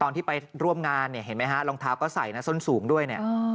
ที่ไปร่วมงานเนี่ยเห็นไหมฮะรองเท้าก็ใส่นะส้นสูงด้วยเนี่ย